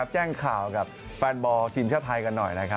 แจ้งข่าวกับแฟนบอลทีมชาติไทยกันหน่อย